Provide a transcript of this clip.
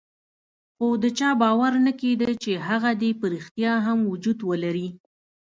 خو د چا باور نه کېده چې هغه دې په ريښتیا هم وجود ولري.